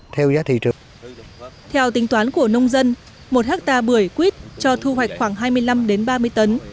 theo tính toán của nông dân một hectare bưởi quýt cho thu hoạch khoảng hai mươi năm ba mươi tấn